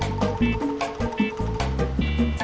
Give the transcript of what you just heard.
nanti tutup pintu pangkernya ya